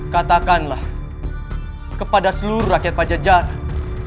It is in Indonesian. katakanlah kepada seluruh rakyat pajajaran